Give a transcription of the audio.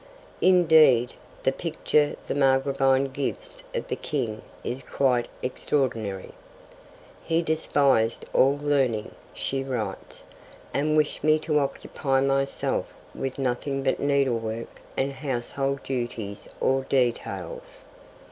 Indeed, the picture the Margravine gives of the King is quite extraordinary. 'He despised all learning,' she writes, 'and wished me to occupy myself with nothing but needlework and household duties or details.